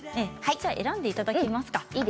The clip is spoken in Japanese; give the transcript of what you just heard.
選んでいただけますか。